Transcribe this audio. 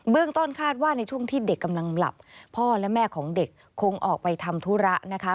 ต้นคาดว่าในช่วงที่เด็กกำลังหลับพ่อและแม่ของเด็กคงออกไปทำธุระนะคะ